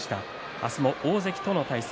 明日も大関との対戦。